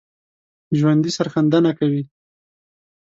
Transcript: ژوندي سرښندنه کوي